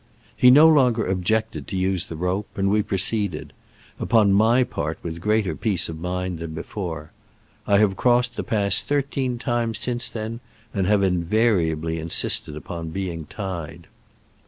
He no longer objected to use the rope, and we proceeded — upon my part with greater peace of mind than before. I have crossed the pass thirteen times since then, and have in variably insisted upon being tied.